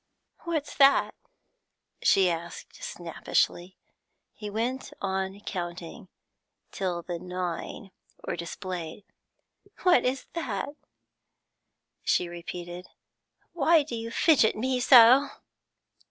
'What's that?' she asked snappishly. He went on counting till the nine were displayed. 'What is it?' she repeated. 'Why do you fidget me so?'